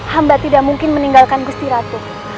hamba tidak mungkin meninggalkan gusti ratu